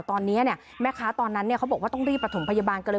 ตอนนี้แม่ค้าตอนนั้นเขาบอกว่าต้องรีบประถมพยาบาลกันเลย